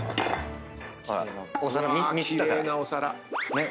ねっ？